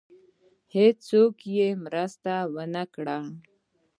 هېڅوک یې مرسته ونه کړه.